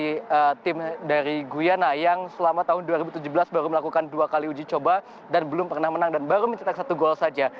dari tim dari guyana yang selama tahun dua ribu tujuh belas baru melakukan dua kali uji coba dan belum pernah menang dan baru mencetak satu gol saja